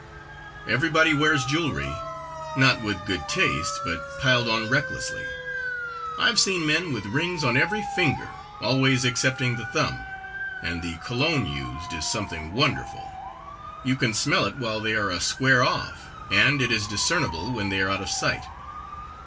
Everybody wears jewelry, not with good taste, but piled on recklessly. I have seen men with rings on every finger, always excepting the thumb; and the cologne used is something wonderful. You can smell it while they are a square off, and it is discernible when they are out of sight.